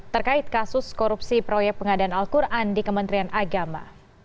terkait kasus korupsi proyek pengadaan al quran di kementerian agama